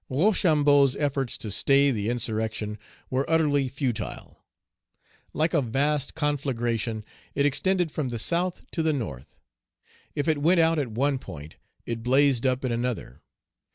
Rochambeau's efforts to stay the insurrection were utterly futile. Like a vast conflagration, it extended from the South to the North. If it went out at one point, it blazed up in another.